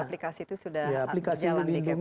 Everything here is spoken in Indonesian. aplikasi itu sudah jalan di gepri